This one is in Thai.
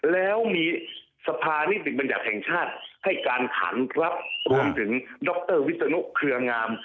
แล้วมีสภานิติบัญญัติแห่งชาติให้การขันพลับรวมถึงดรวิศนุเครืองาม